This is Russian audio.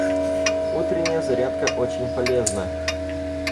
Утренняя зарядка очень полезна.